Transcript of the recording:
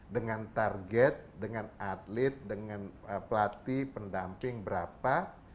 dengan target dengan atlet dengan pelatih pendamping berapa